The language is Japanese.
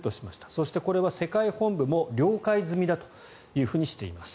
そして、これは世界本部も了解済みだとしています。